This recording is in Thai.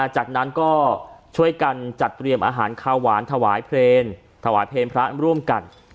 จากนั้นก็ช่วยกันจัดเตรียมอาหารข้าวหวานถวายเพลงถวายเพลงพระร่วมกัน